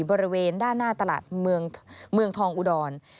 บริเวณด้านหน้าตลาดเมืองทองอุดร